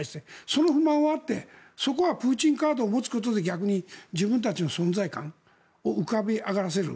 その不満はあってそこはプーチンカードを持つことによって逆に自分たちの存在感を浮かび上がらせる。